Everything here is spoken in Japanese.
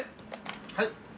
はい。